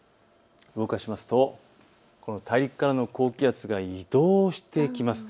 動かしますと大陸からの高気圧が移動してきます。